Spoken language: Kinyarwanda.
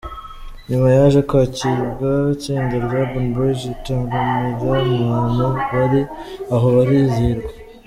Nyuma yaje kwakirwa itsinda rya Urban Boys ritaramira abantu bari aho barizihirwa.